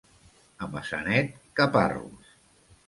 A Maçanet, caparros.